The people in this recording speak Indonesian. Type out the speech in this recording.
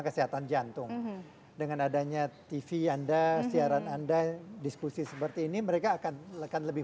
kesehatan jantung dengan adanya tv anda siaran anda diskusi seperti ini mereka akan lebih